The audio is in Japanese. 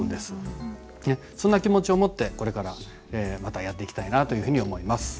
そんな気持ちを持ってこれからまたやっていきたいなと思います。